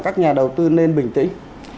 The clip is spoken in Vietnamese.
các nhà đầu tư nên bình tĩnh